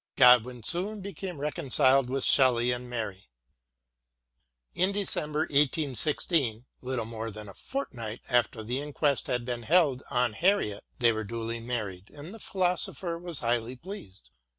Godwin soon became reconciled with Shelley and Mary. In December l8i6, little more than a fortnight after the inquest had been held on Harriet, they were duly married, and the philo sopher was highly pleased.